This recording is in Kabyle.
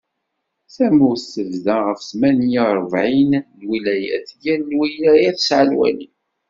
Tamurt tebḍa ɣef tmanya urebɛin n lwilayat, yal lwilaya tesɛa lwali.